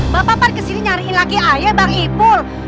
bapak bapak kesini nyariin laki laki ayah bang ipul